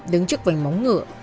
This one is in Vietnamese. đứng trước vành móng ngựa